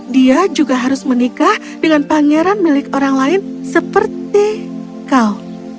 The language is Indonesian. dia juga harus menikah dengan pangeran milik orang lain seperti kau